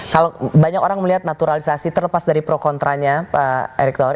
kalau banyak orang melihat naturalisasi terlepas dari pro kontranya pak erick thohir